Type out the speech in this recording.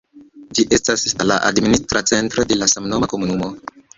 Ĝi estas la administra centro de la samnoma komunumo.